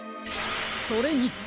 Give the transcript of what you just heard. それに！